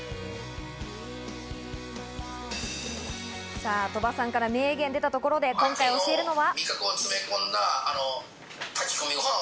さぁ、鳥羽さんから名言が出たところで今回、作るのは。